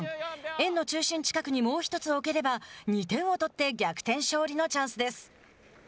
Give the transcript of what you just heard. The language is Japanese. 円の中心近くにもう１つ置ければ２点を取って逆転勝利のチャンスです。